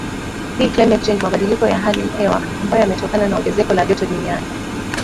hii climate change mabadiliko ya hali hewa ambayo yametokana na ongezeko la joto duniani